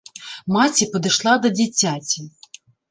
Маці падышла да дзіцяці.